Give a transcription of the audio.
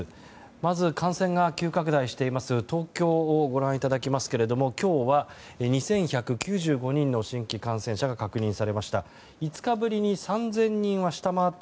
まず感染が急拡大している東京をご覧いただきますけれども今日は２１９５人の新規感染者が確認されました。